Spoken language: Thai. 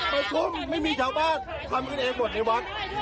ประชุมไม่มีชาวบ้านทำกันเองหมดในวัด